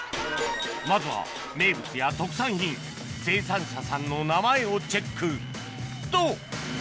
まずは名物や特産品生産者さんの名前をチェックと！